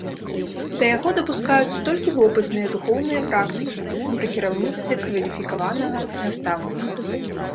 Да яго дапускаюцца толькі вопытныя духоўныя практыкі пры кіраўніцтве кваліфікаванага настаўніка.